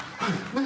何？